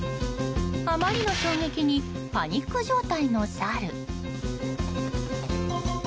あまりの衝撃にパニック状態のサル。